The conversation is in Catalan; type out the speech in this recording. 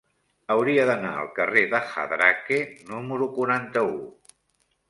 Hauria d'anar al carrer de Jadraque número quaranta-u.